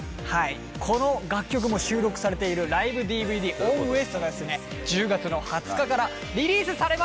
この楽曲も収録されているライブＤＶＤ『ｏｎｅＳＴ』が１０月の２０日からリリースされます！